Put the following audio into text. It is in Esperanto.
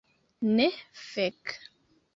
Ne, fek.